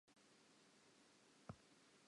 Hoo ho tla etsahala ke shwele.